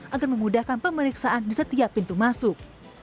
agar memudahkan pemeriksaan di setiap pintu masuk